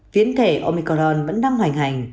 biến thể omicron vẫn đang hoành hành